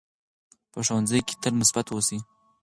په ښوونځي کې تل مثبت اوسئ.